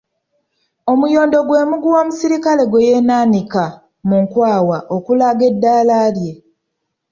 Omuyondo gwe muguwa omusirikale gwe yeenaanika mu nkwawa olw’okulaga eddaala lye.